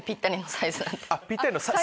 サイズ感！